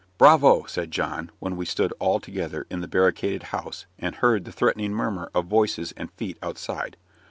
"Bravo!" said John, when we stood all together in the barricaded house, and heard the threatening murmur of voices and feet outside.